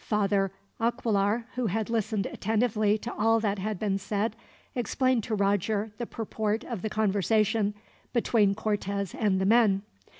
Father Aquilar, who had listened attentively to all that had been said, explained to Roger the purport of the conversation between Cortez and the men.